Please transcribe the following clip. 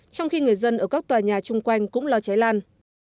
trong khi người dân ở các tòa nhà chung quanh cũng lo cháy lan